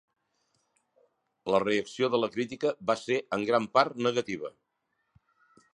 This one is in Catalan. La reacció de la crítica va ser en gran part negativa.